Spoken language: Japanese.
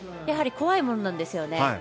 やはり、怖いものなんですよね。